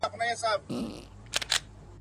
غوړي لا غوړ.